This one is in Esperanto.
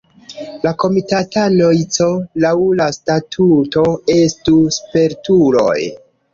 La komitatanoj C laŭ la statuto estu "spertuloj".